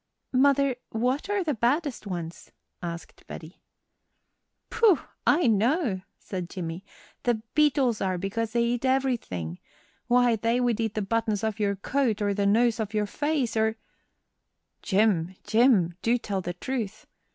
"Mother, what are the baddest ones?" asked Betty. "Pooh! I know," said Jimmie; "the beetles are, because they eat everything. Why, they'd eat the buttons off your coat or the nose off your face or " "Jim! Jim! do tell the truth!